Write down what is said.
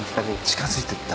近づいていった。